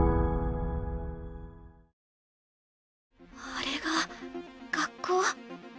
あれが学校。